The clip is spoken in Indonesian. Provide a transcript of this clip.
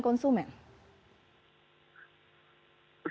atau mengedukasi konsumen